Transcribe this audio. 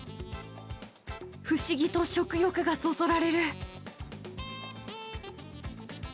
不思議と食欲がそそられる。